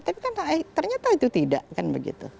tapi kan ternyata itu tidak kan begitu